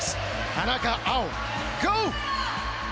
田中碧、ゴー！